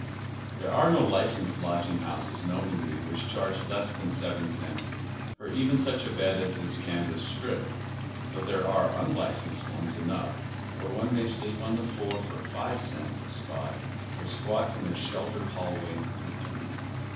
Tiiere are no licensed lodging houses known to me which chaise less than seven cents for even such a bed as this canvas strip, though there are nnlicensed ones enough where one may sleep on the floor for five cents a spot, or squat ill a sheltered hallway for thi'ee.